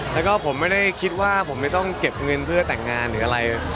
แล้วก็ผมไม่ได้คิดว่าผมไม่ต้องเก็บเงินเพื่อแต่งงานหรืออะไร